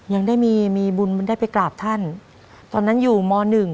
ยังได้มีมีบุญมันได้ไปกราบท่านตอนนั้นอยู่มหนึ่ง